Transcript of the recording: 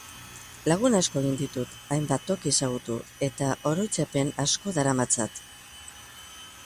Lagun asko egin ditut, hainbat toki ezagutu, eta oroitzapen asko daramatzat.